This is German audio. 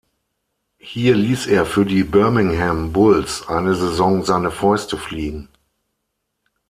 Hier ließ er für die Birmingham Bulls eine Saison seine Fäuste fliegen.